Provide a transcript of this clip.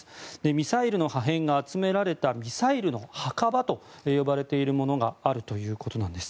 ミサイルの破片が集められたミサイルの墓場と呼ばれているものがあるということです。